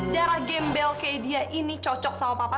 darah gembel kayak dia ini cocok sama papa